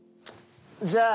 じゃあ。